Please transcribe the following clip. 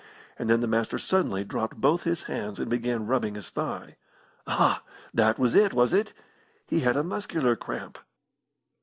And then the Master suddenly dropped both his hands and began rubbing his thigh. Ah! that was it, was it? He had muscular cramp.